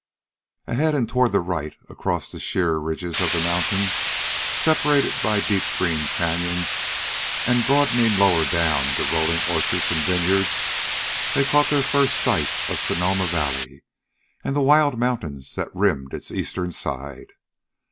Ahead and toward the right, across sheer ridges of the mountains, separated by deep green canyons and broadening lower down into rolling orchards and vineyards, they caught their first sight of Sonoma Valley and the wild mountains that rimmed its eastern side.